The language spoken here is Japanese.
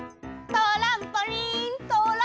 トランポリン！